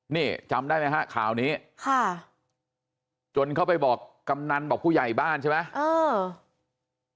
นี่จำได้ไหมฮะข่าวนี้ค่ะจนเข้าไปบอกกำนันบอกผู้ใหญ่บ้านใช่ไหมเออ